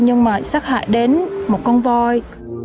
nhưng mà sát hại đến một con voi